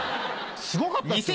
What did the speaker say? すごかったですよね。